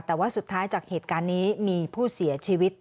แต่ว่าสุดท้ายจากเหตุการณ์นี้มีผู้เสียชีวิต